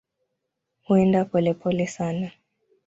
Huenda polepole sana.